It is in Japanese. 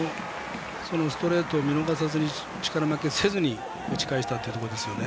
ストレートを見逃さずに力負けせずに打ち返したというところです。